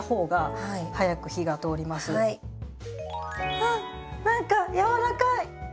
あっ何か柔らかい！